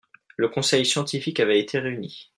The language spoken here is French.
le conseil scientifique avait été réuni.